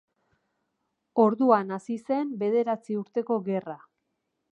Orduan hasi zen Bederatzi Urteko Gerra.